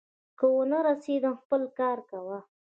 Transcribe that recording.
که ونه رسېدم، خپل کار کوه.